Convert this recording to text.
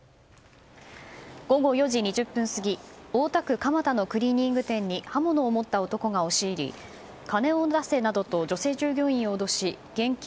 午後４時２０分過ぎ大田区蒲田のクリーニング店に刃物を持った男が押し入り金を出せなどと女性従業員を脅し現金